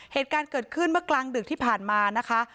เหตุการณ์เกิดขึ้นเมื่อกลางดึกที่ผ่านมานะคะ